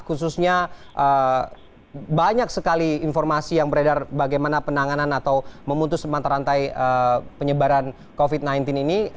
khususnya banyak sekali informasi yang beredar bagaimana penanganan atau memutus mata rantai penyebaran covid sembilan belas ini